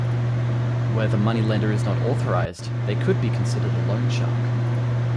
Where the moneylender is not authorized, they could be considered a loan shark.